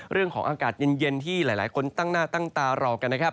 เรื่องของอากาศเย็นที่หลายคนตั้งหน้าตั้งตารอกันนะครับ